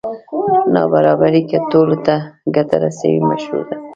نابرابري که ټولو ته ګټه رسوي مشروع ده.